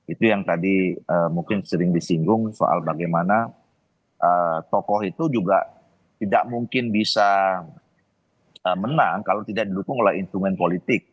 itu yang tadi mungkin sering disinggung soal bagaimana tokoh itu juga tidak mungkin bisa menang kalau tidak didukung oleh instrumen politik